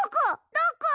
どこ！？